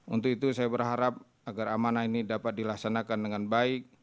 untuk itu saya berharap agar amanah ini dapat dilaksanakan dengan baik